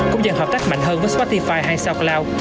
cũng dần hợp tác mạnh hơn với spotify hay soundcloud